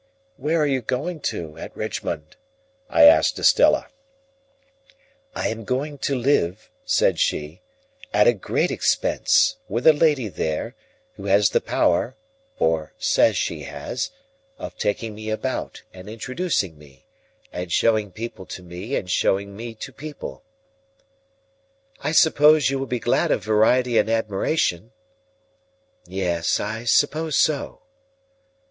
"Where are you going to, at Richmond?" I asked Estella. "I am going to live," said she, "at a great expense, with a lady there, who has the power—or says she has—of taking me about, and introducing me, and showing people to me and showing me to people." "I suppose you will be glad of variety and admiration?" "Yes, I suppose so."